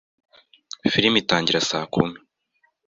Filime itangira saa kumi.